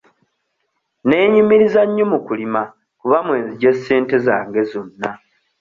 Neenyumiriza nnyo mu kulima kuba mwe nzigye ssente zange zonna.